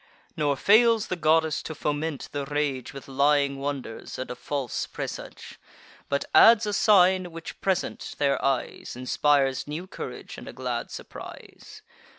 Nor fails the goddess to foment the rage With lying wonders, and a false presage; But adds a sign, which, present to their eyes, Inspires new courage, and a glad surprise.